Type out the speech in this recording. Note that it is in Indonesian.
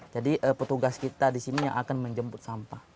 jadi petugas kita di sini yang akan menjemput sampah